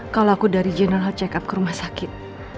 kalau aku dari general check up ke rumah sakit